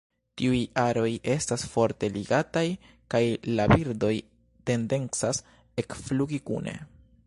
Tiuj aroj estas forte ligataj kaj la birdoj tendencas ekflugi kune.